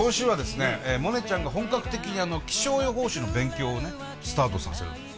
モネちゃんが本格的に気象予報士の勉強をねスタートさせるんですよ。